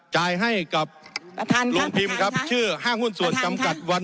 จ่ายให้กับประธานครับประธานครับลงพิมพ์ครับชื่อห้างหุ้นส่วนจำกัดวัน